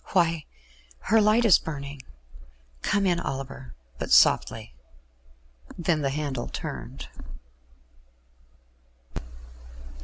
"Why, her light is burning. Come in, Oliver, but softly." Then the handle turned.